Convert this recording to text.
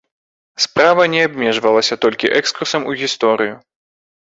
Справа не абмежавалася толькі экскурсам у гісторыю.